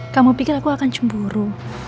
kamu pikir aku akan cemburu